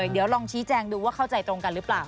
เดี๋ยวลองชี้แจงดูว่าเข้าใจตรงกันหรือเปล่า